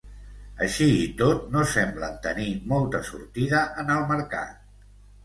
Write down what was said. Així i tot, no semblen tenir molta sortida en el mercat.